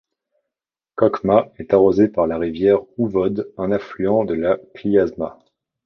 Kokhma est arrosée par la rivière Ouvod, un affluent de la Kliazma.